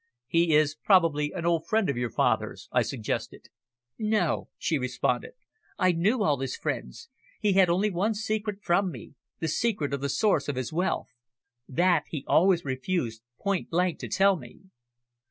"He is probably an old friend of your father's," I suggested. "No," she responded, "I knew all his friends. He had only one secret from me the secret of the source of his wealth. That he always refused point blank to tell me."